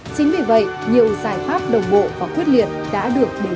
chính vì vậy nhiều giải pháp đồng bộ và quyết liệt đã được đẩy ra